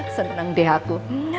seneng deh aku